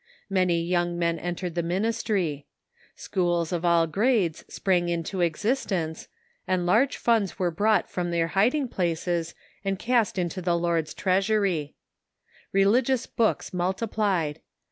Many young men entered the. minis try. Schools of all grades sprang into existence, and large funds were brought from their hiding places and cast into the 4*72 THE CHURCH IX THE UNITED STATES Lord's treasury. Religious books multiplied.